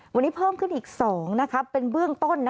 วันนี้เพิ่มขึ้นอีก๒เป็นเบื้องต้น